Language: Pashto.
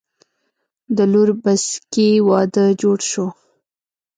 د لور بسکي وادۀ جوړ شو